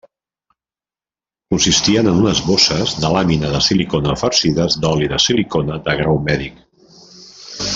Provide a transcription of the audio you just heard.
Consistien en unes bosses de làmina de silicona farcides d'oli de silicona de grau mèdic.